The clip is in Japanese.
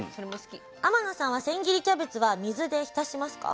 天野さんは千切りキャベツは水で浸しますか？